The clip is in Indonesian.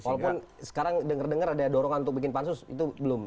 walaupun sekarang dengar dengar ada dorongan untuk bikin pansus itu belum